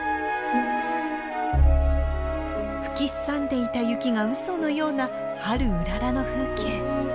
吹きすさんでいた雪がうそのような春うららの風景。